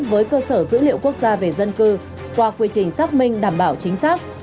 với cơ sở dữ liệu quốc gia về dân cư qua quy trình xác minh đảm bảo chính xác